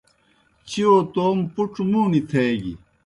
چِیؤ توموْ پُڇ مُوݨیْ تھیگیْ۔